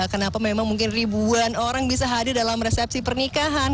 kenapa memang mungkin ribuan orang bisa hadir dalam resepsi pernikahan